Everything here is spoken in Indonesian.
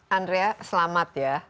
andrea selamat ya